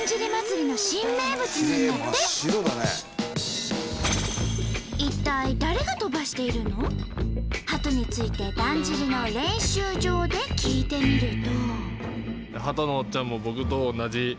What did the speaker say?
これが一体ハトについてだんじりの練習場で聞いてみると。